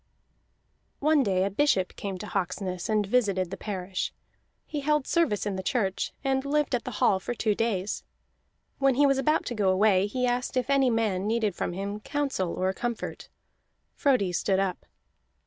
One day a bishop came to Hawksness and visited the parish. He held service in the church, and lived at the hall for two days. When he was about to go away, he asked if any man needed from him counsel or comfort. Frodi stood up.